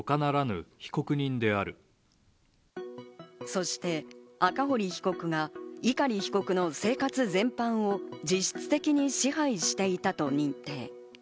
そして、赤堀被告が碇被告の生活全般を実質的に支配していたと認定。